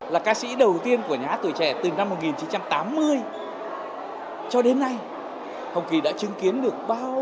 là ca sĩ đầu tiên của nhà hát tuổi trẻ từ năm một nghìn chín trăm tám mươi cho đến nay hồng kỳ đã chứng kiến được ba năm triệu đồng